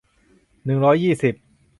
หนึ่งร้อยยี่สิบ